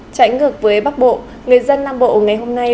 tránh ngược với bắc bộ người dân nam bộ ngày hôm nay